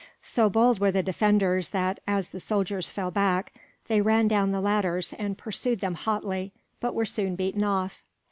So bold were the defenders that, as the soldiers fell back, they ran down the ladders and pursued them hotly; but were soon beaten off.